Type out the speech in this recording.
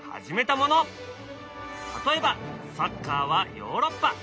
例えばサッカーはヨーロッパ。